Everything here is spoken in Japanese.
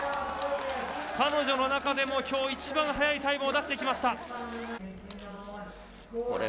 彼女の中でもきょう一番速いタイムを出してきました。